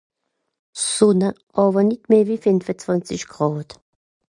Sonne àwer nit meh wie fìnf ùn zwànzisch gràd